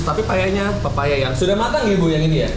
tapi papayanya papaya yang sudah matang ya ibu yang ini ya